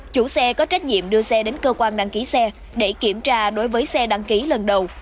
chủ xe có trách nhiệm đưa xe đến cơ quan đăng ký xe để kiểm tra đối với xe đăng ký lần đầu